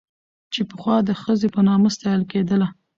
چې پخوا د ښځې په نامه ستايله کېدله